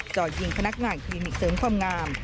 จากยิงธนักงานโคลีมิกส์เสริมความงาม